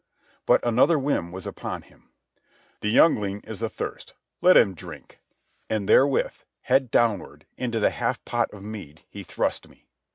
But another whim was upon him. "The youngling is a thirst. Let him drink." And therewith, head downward, into the half pot of mead he thrust me.